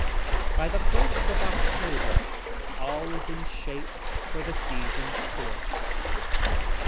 By the first of October all is in shape for the season's sport.